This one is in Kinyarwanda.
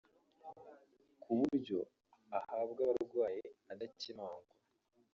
kuburyo ahabwa abarwayi adakemangwa